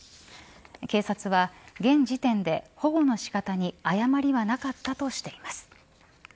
警察は、現時点で保護の仕方に誤りはなかったとしています。